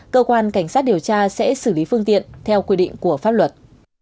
cơ quan cảnh sát điều tra sẽ xử lý phương tiện theo quy định của pháp luật